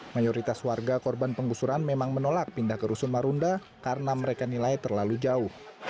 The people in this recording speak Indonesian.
mayoritas warga korban penggusuran memang menolak pindah ke rusun marunda karena mereka nilai terlalu jauh